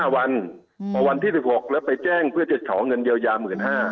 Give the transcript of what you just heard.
วันพอวันที่๑๖แล้วไปแจ้งเพื่อจะขอเงินเยียวยา๑๕๐๐